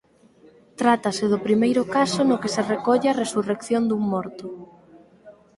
Trátase do primeiro caso no que se recolle a resurrección dun morto.